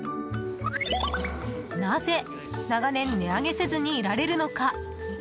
なぜ、長年値上げせずにいられるのか？